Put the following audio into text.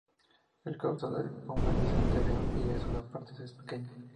El caudal del Huemules anterior a esos aportes es pequeño.